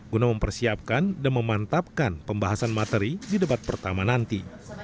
guna mempersiapkan dan memantapkan pembahasan materi di debat pertama nanti